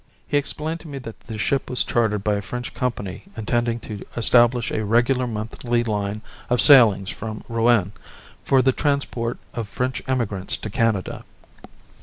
He explained to me that the ship was chartered by a French company intending to establish a regular monthly line of sailings from Rouen, for the transport of French emigrants to Canada.